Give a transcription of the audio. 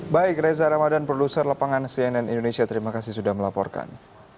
baik reza ramadan produser lapangan cnn indonesia terima kasih sudah melaporkan